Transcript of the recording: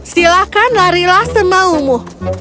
silakan larilah semaumu